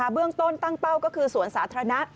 เบื้องต้นตั้งเป้าก็คือสวนสาธารณะ